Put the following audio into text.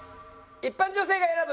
一般女性が選ぶ